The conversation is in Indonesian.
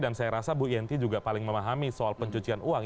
dan saya rasa bu yenty juga paling memahami soal pencucian uang